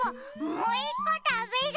もういっこたべる！